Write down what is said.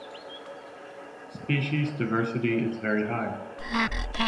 Species diversity is very high.